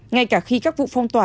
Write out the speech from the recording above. ngay cả khi các vụ phong tỏa